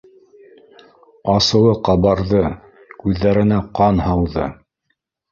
Асыуы ҡабарҙы, күҙҙәренә ҡан һауҙы